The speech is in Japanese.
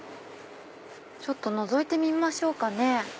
ちょっとのぞいてみましょうかね。